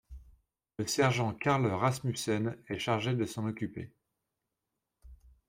Le sergent Carl Rasmussen est chargé de s'en occuper.